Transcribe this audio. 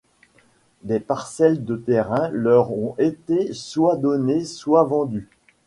Des parcelles de terrain leur ont été soit données soit vendues.